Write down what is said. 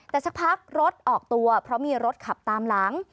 แต่สักพักรถออกตัวเพราะมีรถขับตามหลัง